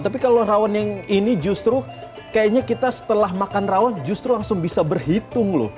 tapi kalau rawon yang ini justru kayaknya kita setelah makan rawon justru langsung bisa berhitung loh